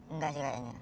enggak sih kayaknya